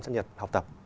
sân nhật học tập